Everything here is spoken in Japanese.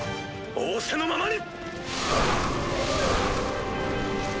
仰せのままに！